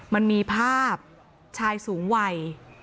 มันมีภาพชายสูงวัย